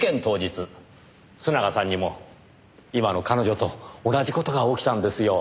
当日須永さんにも今の彼女と同じ事が起きたんですよ。